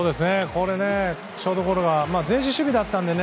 ショートゴロが前進守備だったんでね